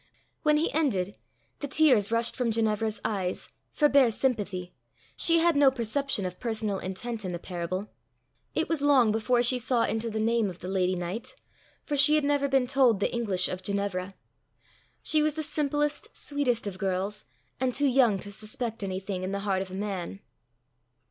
When he ended, the tears rushed from Ginevra's eyes for bare sympathy she had no perception of personal intent in the parable; it was long before she saw into the name of the lady knight, for she had never been told the English of Ginevra; she was the simplest, sweetest of girls, and too young to suspect anything in the heart of a man.